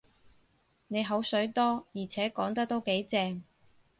你口水多，而且講得都幾正